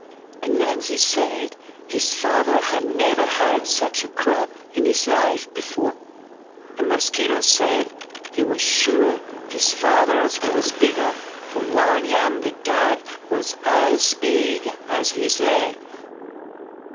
Ananzi said his father had never had such a crop in his life before; and Mosquito said, he was sure his father's was bigger, for one yam they dug was as big as his leg.